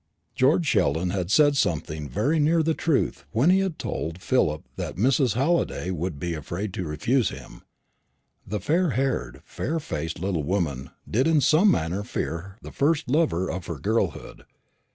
George Sheldon had said something very near the truth when he had told Philip that Mrs. Halliday would be afraid to refuse him. The fair haired, fair faced little woman did in some manner fear the first lover of her girlhood.